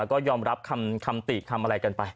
ก็ยอมรับคำติคำอะไรกันไป